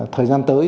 thời gian tới